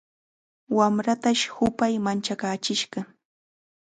Wamratash hupay manchakaachishqa.